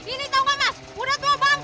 ini tau gak mas udah tua bang